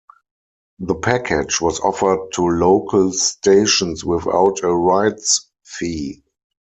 The package was offered to local stations without a rights fee.